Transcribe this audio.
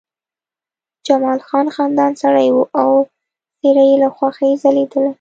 جمال خان خندان سړی و او څېره یې له خوښۍ ځلېدله